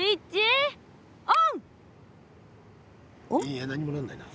いや何もなんないな。